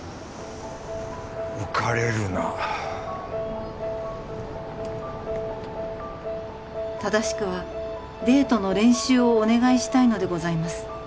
浮かれるな「正しくはデートの練習をお願いしたいのでございます」